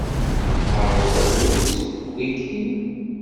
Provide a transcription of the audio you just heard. Tɛerḍeḍ yiwen seg wiyi?